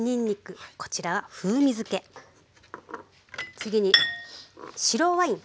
次に白ワイン。